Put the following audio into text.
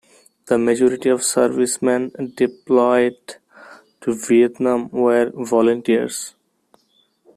The majority of servicemen deployed to Vietnam were volunteers.